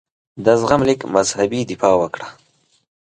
د زغم لیک مذهبي دفاع وکړه.